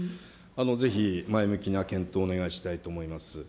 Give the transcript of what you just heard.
ぜひ前向きな検討をお願いしたいと思います。